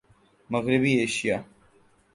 مغربی ایشیا